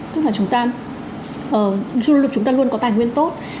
tức là chúng ta du lịch chúng ta luôn có tài nguyên tốt